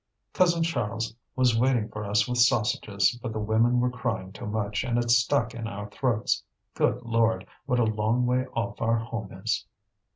Cousin Charles was waiting for us with sausages, but the women were crying too much, and it stuck in our throats. Good Lord! what a long way off our home is!"